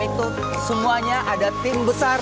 itu semuanya ada tim besar